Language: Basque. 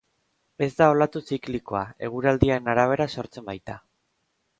Ez da olatu ziklikoa, eguraldiaren arabera sortzen baita.